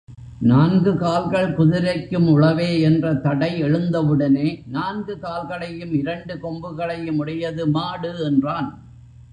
நான்கு கால்கள் குதிரைக்கும் உளவே என்ற தடை எழுந்தவுடனே, நான்கு கால்களையும் இரண்டு கொம்புகளையும் உடையது மாடு என்றான்.